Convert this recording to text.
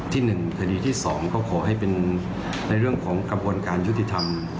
ที่หนึ่งทะลี่ที่สองก็ขอให้เป็นในเรื่องของกระบวนการยุทธิธรรม